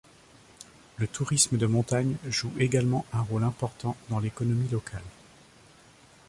Le tourisme de montagne joue également un rôle important dans l'économie locale.